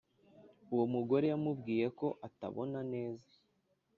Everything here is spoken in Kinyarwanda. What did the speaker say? Uwo mugore yamubwiye ko atabona neza